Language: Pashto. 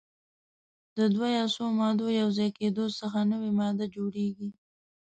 د دوه یا څو مادو یو ځای کیدو څخه نوې ماده جوړیږي.